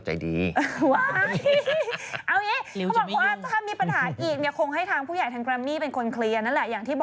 หลายคนก็รอพลอยข่าวนี้